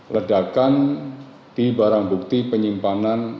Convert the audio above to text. ledakan di barang bukti penyimpanan